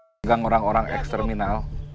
tegang orang orang eksterminal